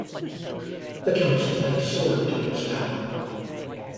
The Council had soared to its power.